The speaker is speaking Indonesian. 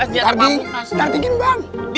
tidak ada apa apa